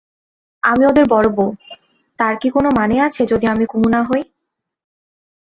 আমি ওদের বড়োবউ, তার কি কোনো মানে আছে যদি আমি কুমু না হই?